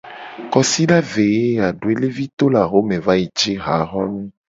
Kosida ve ye ya doelevi to le axome va yi ci haxonu.